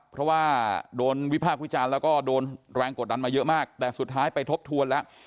เพราะว่าโดนวิพากษ์วิจารณ์แล้วก็โดนแรงกดดันมาเยอะมากแต่สุดท้ายไปทบทวนแล้ว